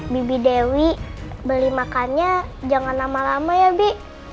bibidewi beli makannya jangan lama lama ya bi